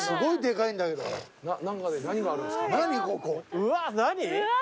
うわ何？